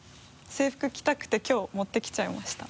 制服着たくてきょう持ってきちゃいました。